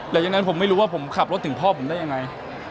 แต่อย่างนั้นผมไม่รู้ว่าผมขับรถถึงพ่อผมได้ยังไง